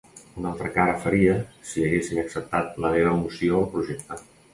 Una altra cara faria si haguessin acceptat la meva moció al projecte.